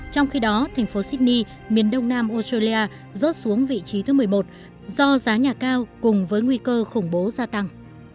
trong khi đó thành phố sydney miền đông nam australia rớt xuống vị trí thứ một mươi một do giá nhà cao cùng với nguy cơ khủng bố gia tăng